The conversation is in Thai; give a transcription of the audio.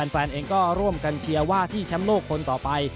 แฟนเองก็ร่วมกันเชียร์ว่าที่แชมป์โลกคนต่อไป